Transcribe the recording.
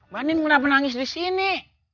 bandin kenapa nangis di sini